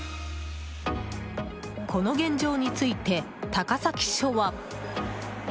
この現状について高崎署は。